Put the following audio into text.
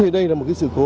đây là một sự cố